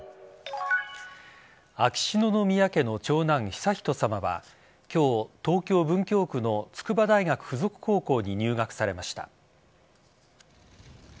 秋篠宮家の長男・悠仁さまは今日、東京・文京区の筑波大学附属高校に入学されました。